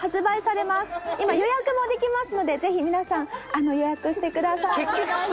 今予約もできますのでぜひ皆さん予約してください。